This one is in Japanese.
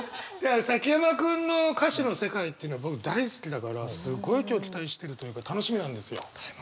崎山君の歌詞の世界っていうの僕大好きだからすごい今日期待してるというか楽しみなんですよ。